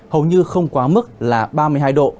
hầu như không quá mức là ba mươi hai độ